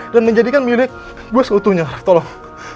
dan menjadikan milik gue seutuhnya raff tolong